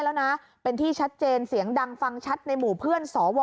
แล้วนะเป็นที่ชัดเจนเสียงดังฟังชัดในหมู่เพื่อนสว